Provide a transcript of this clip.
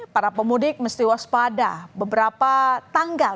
para pemudik mesti waspada beberapa tanggal